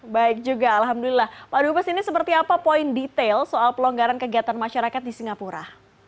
baik juga alhamdulillah pak dubes ini seperti apa poin detail soal pelonggaran kegiatan masyarakat di singapura